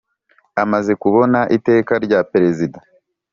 Amaze kubona iteka rya peresida